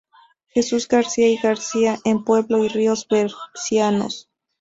Jesús García y García en "Pueblo y ríos bercianos.